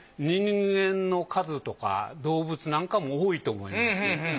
人間の数とか動物なんかも多いと思います。